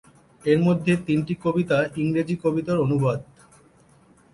এর মধ্যে তিনটি কবিতা ইংরেজি কবিতার অনুবাদ।